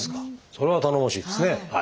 それは頼もしいですね。